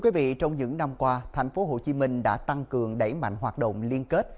quý vị trong những năm qua thành phố hồ chí minh đã tăng cường đẩy mạnh hoạt động liên kết